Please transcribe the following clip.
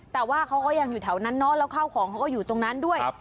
แต่ว่าเขาก็ยังอยู่แถวนั้นเนอะแล้วข้าวของเขาก็อยู่ตรงนั้นด้วย